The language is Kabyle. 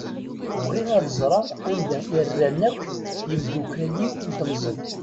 Bɣiɣ ad ẓṛeɣ anda i rran akk yemdukal-iw n temẓi.